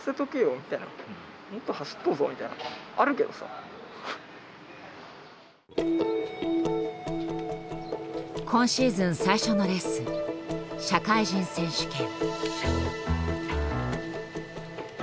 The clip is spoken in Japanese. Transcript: うん今シーズン最初のレース社会人選手権。